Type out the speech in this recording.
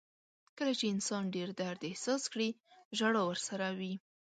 • کله چې انسان ډېر درد احساس کړي، ژړا ورسره وي.